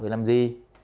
thì làm gì